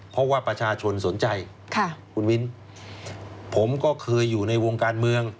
เพราะว่าประชาชนสนใจค่ะคุณวินผมก็เคยอยู่ในวงการเมือง